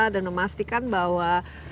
dan memastikan bahwa